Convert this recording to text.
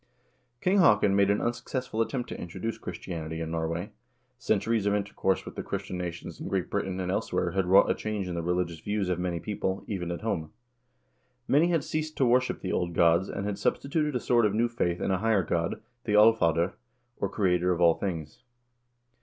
King Haakon made an unsuccessful attempt to introduce Chris tianity in Norway. Centuries of intercourse with the Christian nations in Great Britain and elsewhere had wrought a change in the religious views of many people, even at home. Many had ceased to worship the old gods, and had substituted a sort of new faith in a higher god, the Alfader, or creator of all things.